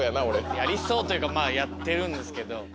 「やりそう」というかまぁやってるんですけど。